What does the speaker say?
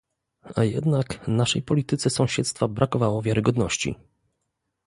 A jednak naszej polityce sąsiedztwa brakowało wiarygodności